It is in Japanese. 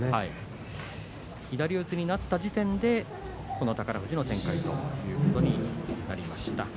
左四つになった時点でこの宝富士の展開ということになりました。